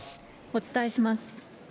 お伝えします。